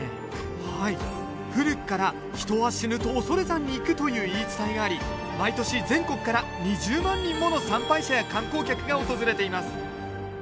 はい古くから人は死ぬと恐山に行くという言い伝えがあり毎年全国から２０万人もの参拝者や観光客が訪れています。